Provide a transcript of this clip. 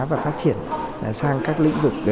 và phát triển sang các lĩnh vực